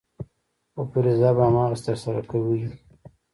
خو فریضه به هماغسې ترسره کوې.